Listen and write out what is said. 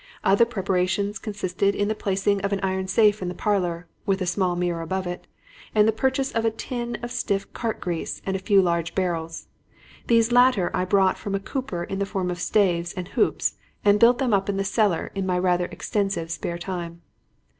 Other preparations consisted in the placing, of an iron safe in the parlor (with a small mirror above it) and the purchase of a tin of stiff cart grease and a few large barrels. These latter I bought from a cooper in the form of staves and hoops, and built them up in the cellar in my rather extensive spare time.